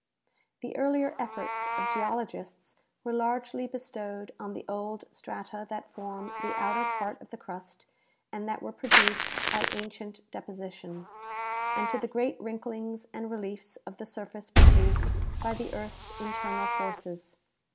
The earlier efforts of geologists were largely bestowed on the old strata that form tlie outer part of the crust and that were produced by ancient deposition, and to the great wrinklings and reliefs of the surface produced by the earth's internal forces.